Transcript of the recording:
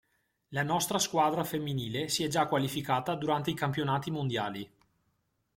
La nostra squadra femminile si è già qualificata durante i Campionati Mondiali.